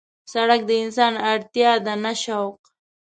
سړک د انسان اړتیا ده نه شوق.